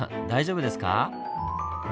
大丈夫ですか？